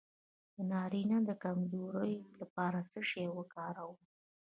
د نارینه د کمزوری لپاره څه شی وکاروم؟